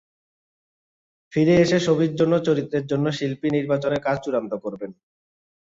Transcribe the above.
ফিরে এসে ছবির অন্য চরিত্রের জন্য শিল্পী নির্বাচনের কাজ চূড়ান্ত করবেন।